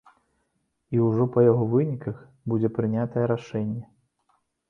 І ўжо па яго выніках будзе прынятае рашэнне.